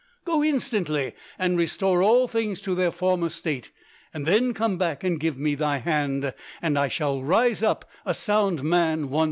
Go instantly and restore all things to their former state, then come back and give me thy hand and I shall rise up a sound man once more."